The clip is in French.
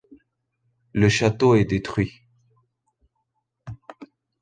Le château est détruit.